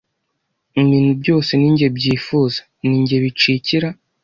Ibintu byose ni jye byifuza ni jye bicikira